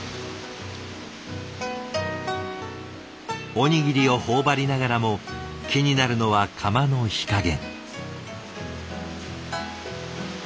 おにぎりを頬張りながらも気になるのは釜の火加減。